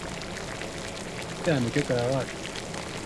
iringa ina mtaji mkubwa wa kitalii